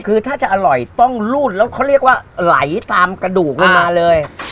คือถ้าจะอร่อยต้องรูดแล้วเขาเรียกว่าไหลตามกระดูกลงมาเลย